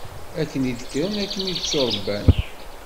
Akken i d-kkren, akken i d-tturebban.